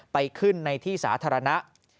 ไปขึ้นในที่สาธารณะ